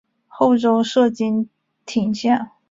后周设莘亭县。